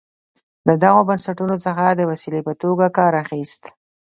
له دغو بنسټونو څخه د وسیلې په توګه کار اخیست.